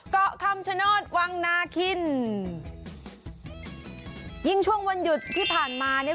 เกาะคำชโนธวังนาคินยิ่งช่วงวันหยุดที่ผ่านมาเนี้ย